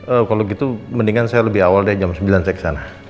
ehm kalo gitu mendingan saya lebih awal deh jam sembilan saya kesana